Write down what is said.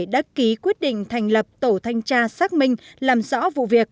đã ký quyết định thành lập tổ thanh tra xác minh làm rõ vụ việc